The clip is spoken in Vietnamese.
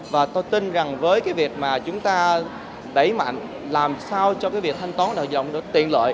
và tôi tin rằng với cái việc mà chúng ta đẩy mạnh làm sao cho cái việc thanh toán điện thoại di động tiện lợi